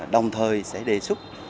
đồng thời sẽ đề xuất